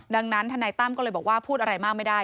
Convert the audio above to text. ดังนั้นทนายตั้มก็เลยบอกว่าพูดอะไรมากไม่ได้